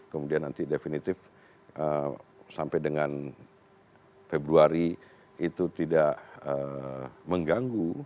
kemudian nanti definitif sampai dengan februari itu tidak mengganggu